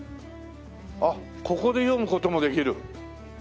あっここで読む事もできる。